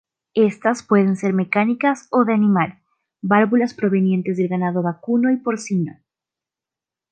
Estas pueden ser mecánicas o de animal, válvulas provenientes de ganado vacuno y porcino.